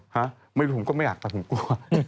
ฮะไม่รู้ผมก็ไม่อยากแต่ผมกลัว